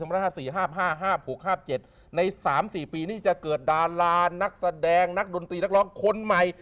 อายุตะจักรและบัตรนั้นเกิดไหม